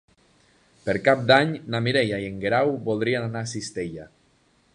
Per Cap d'Any na Mireia i en Guerau voldrien anar a Cistella.